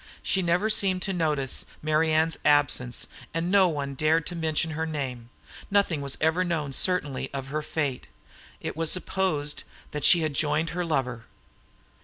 She never seemed to notice Marian's absence and no one dared to mention her name. Nothing was ever known certainly of her fate; it was supposed that she had joined her lover.